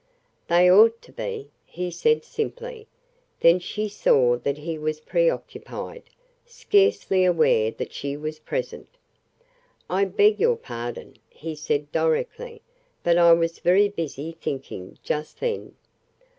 "They ought to be," he said simply. Then she saw that he was preoccupied scarcely aware that she was present. "I beg your pardon," he said directly, "but I was very busy thinking, just then."